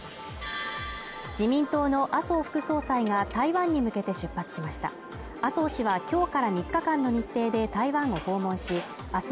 自民党の麻生副総裁が台湾に向けて出発しました麻生氏は今日から３日の日程で台湾を訪問しあす